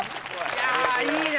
いやいいね